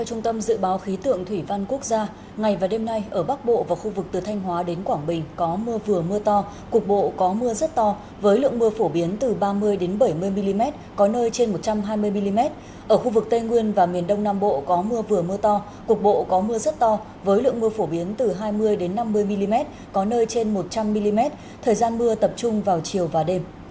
mưa rất to với lượng mưa phổ biến từ hai mươi năm mươi mm có nơi trên một trăm linh mm thời gian mưa tập trung vào chiều và đêm